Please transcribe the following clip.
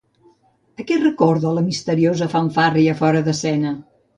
A què recorda la misteriosa fanfàrria fora d'escena?